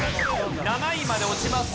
７位まで落ちます。